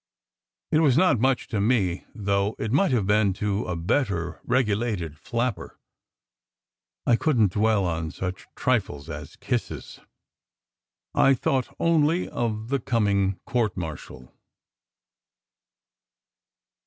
It was not much to me, though it might have been to a better regulated flapper. I couldn t dwell on such trifles as kisses. I thought only of the coming court martial.